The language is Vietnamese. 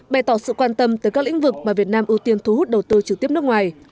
bày tỏ sự quan tâm tới các lĩnh vực mà việt nam ưu tiên thu hút đầu tư trực tiếp nước ngoài